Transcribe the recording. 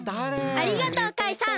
ありがとうカイさん！